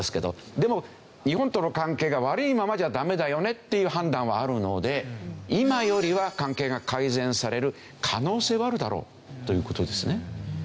でも日本との関係が悪いままじゃダメだよねっていう判断はあるので今よりは関係が改善される可能性はあるだろうという事ですね。